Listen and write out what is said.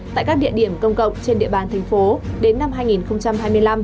tại các địa điểm công cộng trên địa bàn thành phố đến năm hai nghìn hai mươi năm